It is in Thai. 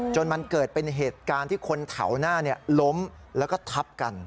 จนมันเกิดเป็นเหตุการณ์ที่คนแถวหน้าล้มแล้วก็ทับกัน